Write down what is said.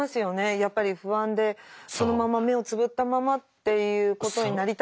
やっぱり不安でそのまま目をつぶったままっていうことになりたくないっていう。